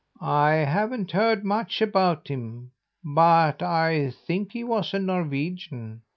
"I haven't heard much about him, but I think he was a Norwegian.